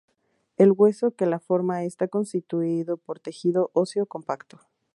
El hueso que la forma está constituido por tejido óseo compacto.